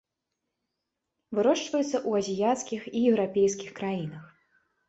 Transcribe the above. Вырошчваецца ў азіяцкіх і еўрапейскіх краінах.